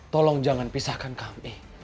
tolong jangan pisahkan kami